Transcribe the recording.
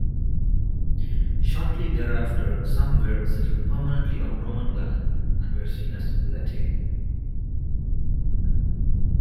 Shortly thereafter, some were settled permanently on Roman land, and were seen as "Laeti".